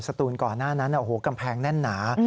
สตูนก่อนหน้านั้นกำแพงแน่นหนา